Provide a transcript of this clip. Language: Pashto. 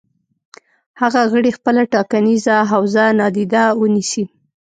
هغه غړي خپله ټاکنیزه حوزه نادیده ونیسي.